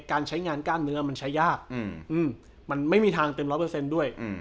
การใช้งานการเนื้อมันใช้ยากมันไม่มีทางเต็ม๑๐๐ด้วย